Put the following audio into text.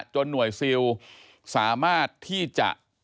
หน่วยซิลสามารถที่จะ